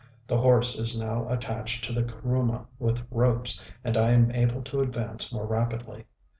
The horse is now attached to the kuruma with ropes, and I am able to advance more rapidly.